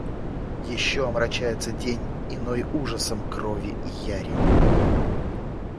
Еще омрачается день иной ужасом крови и яри.